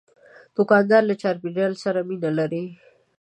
دوکاندار له چاپیریال سره مینه لري.